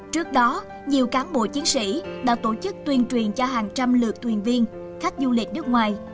trước đó nhiều cán bộ chiến sĩ đã tổ chức tuyên truyền cho hàng trăm lượt thuyền viên khách du lịch nước ngoài